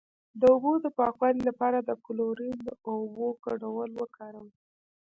د اوبو د پاکوالي لپاره د کلورین او اوبو ګډول وکاروئ